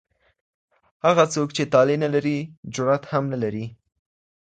هغه څوک چي طالع نه لري جرئت هم نه لري.